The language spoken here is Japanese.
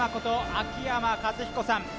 秋山和彦さん